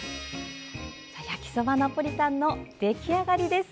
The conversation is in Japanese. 焼きそばナポリタンの出来上がりです。